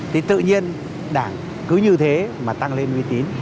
thì tự nhiên đảng cứ như thế mà tăng lên uy tín